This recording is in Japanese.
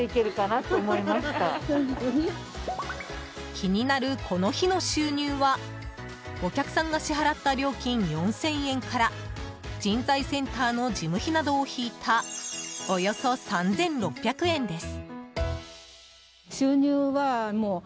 気になるこの日の収入はお客さんが支払った料金４０００円から人材センターの事務費などを引いたおよそ３６００円です。